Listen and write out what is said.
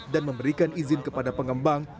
dan memberikan izin kepada pengembang